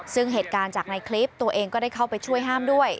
ซึ่งเหตุการณ์จากในคลิปตัวเองก็ได้เข้าไปช่วยห้ามด้วย